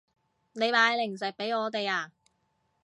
你買零食畀我哋啊